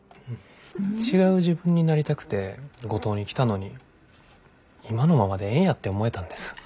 違う自分になりたくて五島に来たのに今のままでええんやって思えたんです。